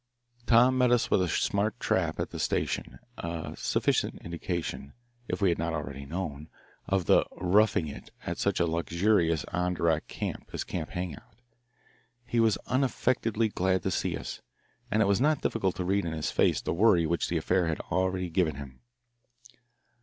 Tom met us with a smart trap at the station, a sufficient indication, if we had not already known, of the "roughing it" at such a luxurious Adirondack "camp" as Camp Hang out. He was unaffectedly glad to see us, and it was not difficult to read in his face the worry which the affair had already given him.